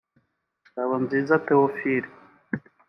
Ngabonziza Theophile